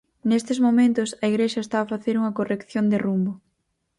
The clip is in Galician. Nestes momentos, a Igrexa está a facer unha corrección de rumbo.